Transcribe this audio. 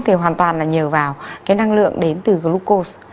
thì hoàn toàn là nhờ vào cái năng lượng đến từ groco